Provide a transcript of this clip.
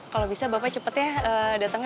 kalau bisa bapak cepat ya datangnya